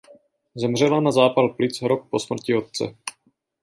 Zemřela na zápal plic rok po smrti otce.